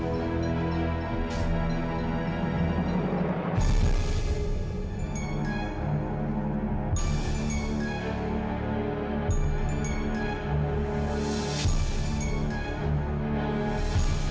aku tunggu dulu deh